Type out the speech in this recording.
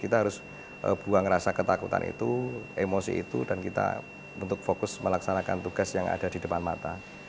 kita harus buang rasa ketakutan itu emosi itu dan kita untuk fokus melaksanakan tugas yang ada di depan mata